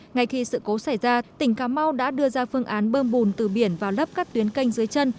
ngay khi sự cố xảy ra tỉnh cà mau đã đưa ra phương án bơm bùn từ biển vào lớp các tuyến canh dưới chân